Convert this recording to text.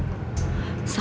kamil kamu bisa tahu